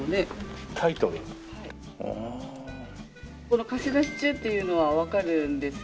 この貸し出し中っていうのはわかるんですけど。